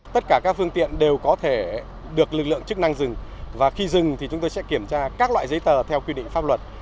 tất cả các phương tiện đều có thể được lực lượng chức năng dừng và khi dừng thì chúng tôi sẽ kiểm tra các loại giấy tờ theo quy định pháp luật